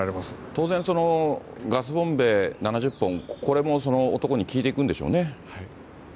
当然、ガスボンベ７０本、これも男に聴いていくんでしょうね。